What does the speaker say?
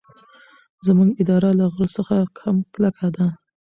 زموږ اراده له غره څخه هم کلکه ده.